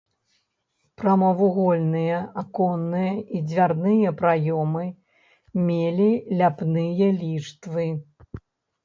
Прамавугольныя аконныя і дзвярныя праёмы мелі ляпныя ліштвы.